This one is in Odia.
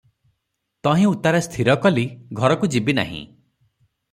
ତହିଁ ଉତ୍ତାରେ ସ୍ଥିର କଲି, ଘରକୁ ଯିବି ନାହିଁ ।